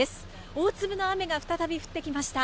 大粒の雨が再び降ってきました。